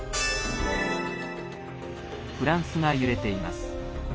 フランスが揺れています。